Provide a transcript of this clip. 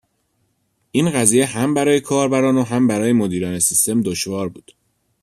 این قضیه هم برای کاربران و هم برای مدیران سیستم دشوار بود.